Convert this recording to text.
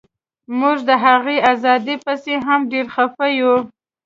موږ د هغې ازادۍ پسې هم ډیر خفه یو